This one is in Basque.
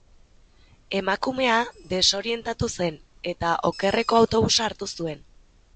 Emakumea desorientatu zen, eta okerreko autobusa hartu zuen.